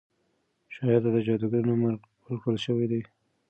شاعر ته د جادوګر نوم ورکړل شوی دی.